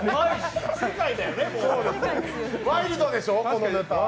ワイルドでしょ、このネタ。